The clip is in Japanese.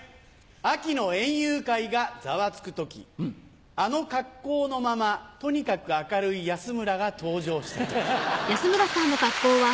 秋の園遊会がざわつく時あの格好のままとにかく明るい安村が登場した時。